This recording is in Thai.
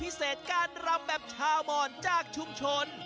พิเศษการรำแบบชาวบอนจากชุมชน